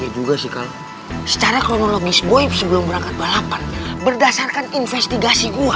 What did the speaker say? juga sih secara kronologis boy sebelum berangkat balapan berdasarkan investigasi gue